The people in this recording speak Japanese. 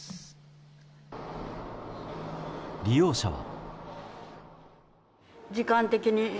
利用者は。